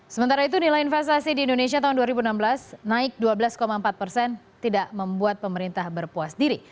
sementara itu nilai investasi di indonesia tahun dua ribu enam belas naik dua belas empat persen tidak membuat pemerintah berpuas diri